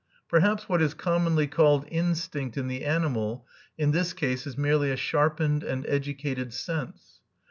Perhaps what is commonly called instinct in the animal, in this case is merely a sharpened and educated sense.